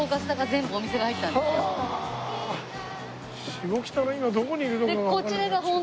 下北の今どこにいるのかがわからなく。